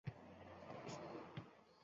Kiyiklar ichidan topdi nozik do’st.